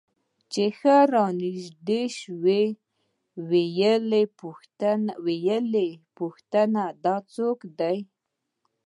چې ښه رانژدې سوه ويې پوښتل دا څوک دى.